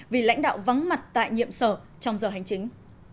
vì lãnh đạo vắng mặt tại nhiệm sở trong giờ hành chính